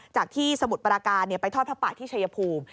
จากที่สมุทรปราการไปทอดพระปะที่ชัยภูมิ